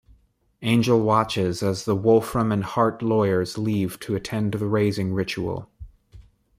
Angel watches as the Wolfram and Hart lawyers leave to attend the Raising ritual.